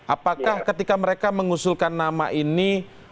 apakah ketika mereka mengusulkan nama ini